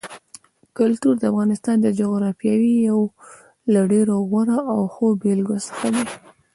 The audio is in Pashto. کلتور د افغانستان د جغرافیې یو له ډېرو غوره او ښو بېلګو څخه دی.